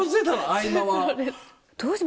合間は。